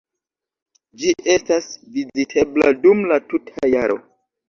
Ĝi estas vizitebla dum la tuta jaro.